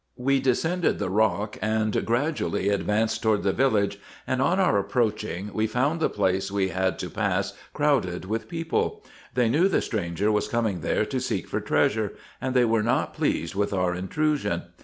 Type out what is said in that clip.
We descended the rock, and gradually advanced towards the village, and on our approaching, we found the place we had to pass crowded with people ; they knew the stranger was coming there to seek for treasure, and they were not pleased with our intrusion.